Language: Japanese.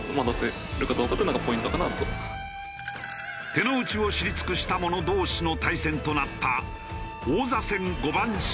手の内を知り尽くした者同士の対戦となった王座戦五番勝負。